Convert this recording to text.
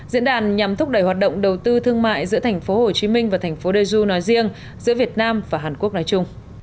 diễn đàn nhằm thúc đẩy hoạt động đầu tư thương mại giữa tp hcm và tp dju nói riêng giữa việt nam và hàn quốc nói chung